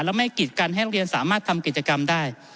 และไม่กิจกันให้โรงเรียนสามารถทำกิจกรรมได้